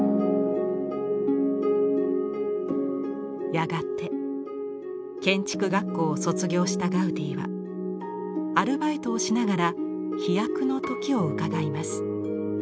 やがて建築学校を卒業したガウディはアルバイトをしながら飛躍の時をうかがいます。